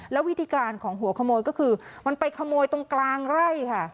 แล้ววิธีการของหัวขโมยก็คือมันไปขโมยตรงกลางไร่ค่ะ